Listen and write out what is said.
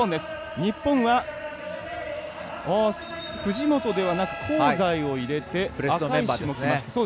日本は藤本ではなく香西を入れて赤石もきました。